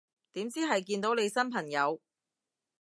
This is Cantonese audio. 點知係見到你新朋友